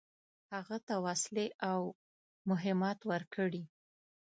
هغه ته وسلې او مهمات ورکړي.